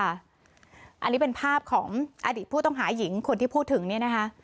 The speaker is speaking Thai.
อันนี้เป็นภาพของอดีตผู้ต้องหาหญิงคนที่พูดถึงเนี่ยนะคะ